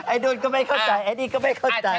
โดนก็ไม่เข้าใจไอ้นี่ก็ไม่เข้าใจ